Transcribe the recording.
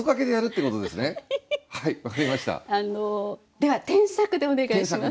では「添削」でお願いします。